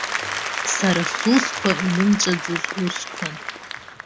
Сара сусқәа инымҵәаӡоз усқәан.